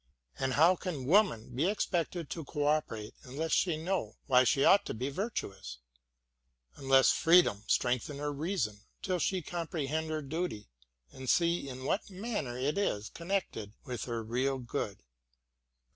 And how can woman be expected to co operate unless she know why she ought to be virtuous ? unless freedom strengthen her reason till she comprehend her duty and see in what manner it is connected with her real good